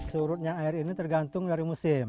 surutnya air ini tergantung dari musim